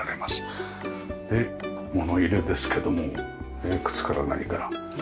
で物入れですけども靴から何から。